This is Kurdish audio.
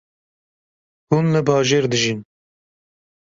Hûn li bajêr dijîn